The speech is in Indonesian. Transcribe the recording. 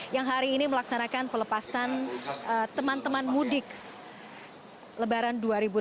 yang hari ini melaksanakan pelepasan teman teman mudik lebaran dua ribu delapan belas